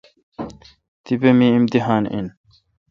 تی پہ می امتحان این۔